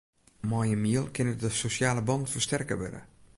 Mei in miel kinne de sosjale bannen fersterke wurde.